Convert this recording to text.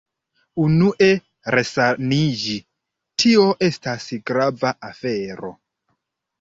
Unue resaniĝi, tio estas grava afero.